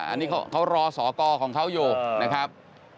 อันนี้เขารอสอกรของเขาอยู่นะครับ